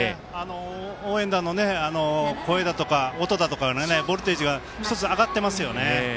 応援団の声だとか音だとかでボルテージが１つ上がっていますよね。